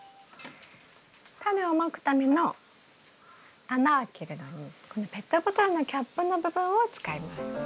タネをまくための穴開けるのにこのペットボトルのキャップの部分を使います。